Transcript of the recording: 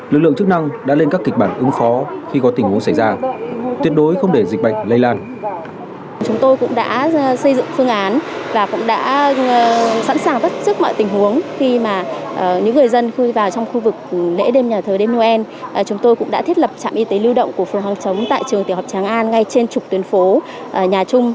lực lượng chức năng đã lên các kịch bản ứng phó khi có tình huống xảy ra tuyệt đối không để dịch bệnh lây lan